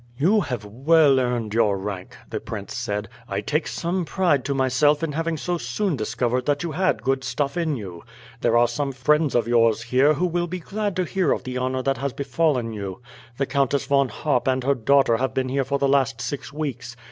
"You have well earned your rank," the prince said. "I take some pride to myself in having so soon discovered that you had good stuff in you. There are some friends of yours here who will be glad to hear of the honour that has befallen you. The Countess Von Harp and her daughter have been here for the last six weeks.